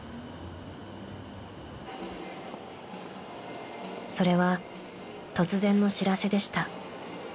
［それは突然の知らせでした］